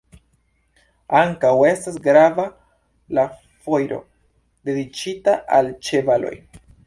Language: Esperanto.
Ankaŭ estas grava la Foiro dediĉita al ĉevaloj.